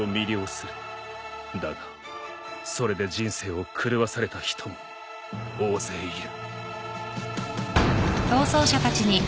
だがそれで人生を狂わされた人も大勢いる。